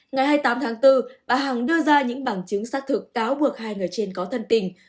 ngày hai mươi tám tháng bốn bà hằng đưa ra những bằng chứng xác thực cáo buộc hai người trên có thân tình